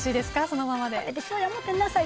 そのままで。